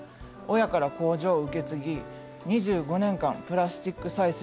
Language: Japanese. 親から工場を受け継ぎ２５年間プラスチック再生の仕事をしてる。